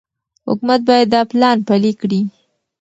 حکومت باید دا پلان پلي کړي.